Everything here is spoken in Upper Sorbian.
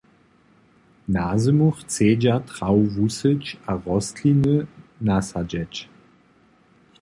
Nazymu chcedźa trawu wusyć a rostliny nasadźeć.